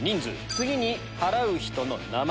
次に払う人の名前。